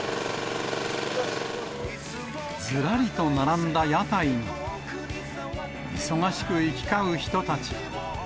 ずらりと並んだ屋台に、忙しく行き交う人たち。